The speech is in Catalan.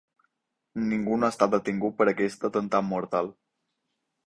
Ningú no ha estat detingut per aquest atemptat mortal.